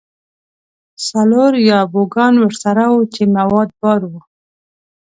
څلور یا بوګان ورسره وو چې مواد بار وو.